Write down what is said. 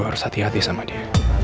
harus hati hati sama dia